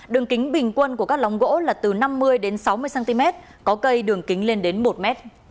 đường kính bình quân của các lóng gỗ là từ năm mươi đến sáu mươi cm có cây đường kính lên đến một m